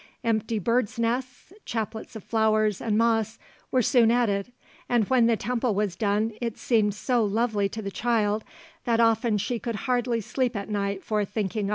Empty birds' nests, chaplets of flowers and moss were soon added, and when the temple was done it seemed so lovely to the child that often she could hardly sleep at night for thinking of it.